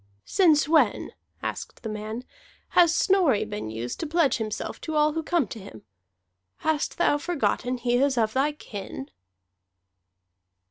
"Since when," asked the man, "has Snorri been used to pledge himself to all who come to him? Hast thou forgotten he is of thy kin?"